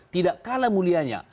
tidak kalah mulianya